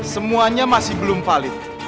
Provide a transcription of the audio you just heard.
semuanya masih belum valid